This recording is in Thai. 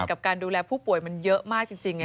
กับการดูแลผู้ป่วยมันเยอะมากจริงไง